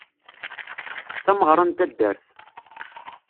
D tameɣra n taddart.